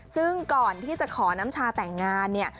ซึ่งก่อนที่จะขอน้ำชาแต่งงานเนี่ย